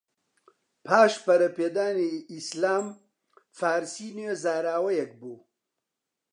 پاش پەرەپێدانی ئیسلام، فارسی نوێ زاراوەیەک بوو